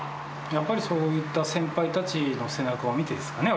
やっぱりそういった先輩たちの背中を見てですかね？